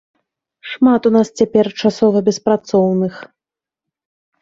Шмат у нас цяпер часова беспрацоўных.